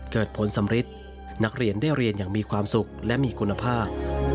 เกิดผลสำริดนักเรียนได้เรียนอย่างมีความสุขและมีคุณภาพ